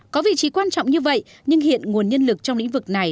có vị trí quan trọng như vậy nhưng hiện nguồn nhân lực trong lĩnh vực này